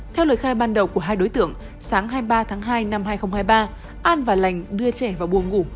theo lời khai ban đầu của hai đối tượng sáng hai mươi ba tháng hai năm hai nghìn hai mươi ba an và lành đưa trẻ vào buồng ngủ